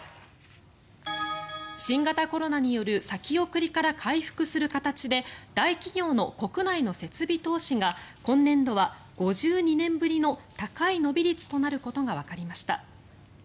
新型コロナによる先送りから回復する形で大企業の国内の設備投資が今年度は５２年ぶりの高い伸び率となることがわかりました。